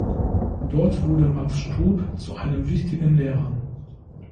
Dort wurde Max Strub zu einem wichtigen Lehrer.